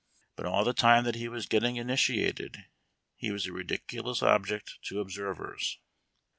But all the time that he was getting initiated he was a ridiculous object to observers.